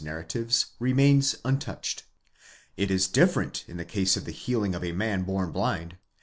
gi narratives remains untouched. It is different in the case of the healing of a man born blind.